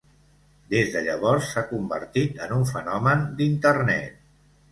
Des de llavors s'ha convertit en un fenomen d'internet.